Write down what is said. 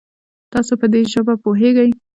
تاسو په دي ژبه پوهږئ؟